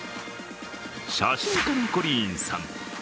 写真家のコリーンさん。